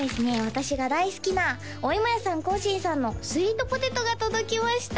私が大好きなおいもやさん興伸さんのスイートポテトが届きました